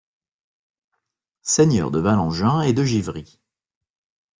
Seigneur de Valangin et de Givry.